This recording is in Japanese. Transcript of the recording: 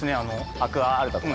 アクア・アルタとか。